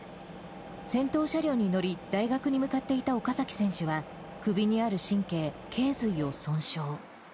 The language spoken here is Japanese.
先頭車両に乗り、大学に向かっていた岡崎選手は、首にある神経、頸髄を損傷。